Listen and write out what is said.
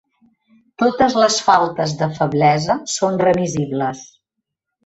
Totes les faltes de feblesa són remissibles.